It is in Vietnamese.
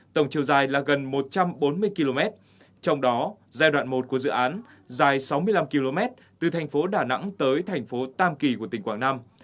tổng chiều dài là gần một trăm bốn mươi km trong đó giai đoạn một của dự án dài sáu mươi năm km từ thành phố đà nẵng tới thành phố tam kỳ của tỉnh quảng nam